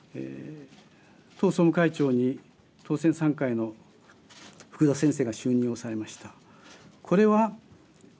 党総務会長に当選３回の福田先生が就任をされました。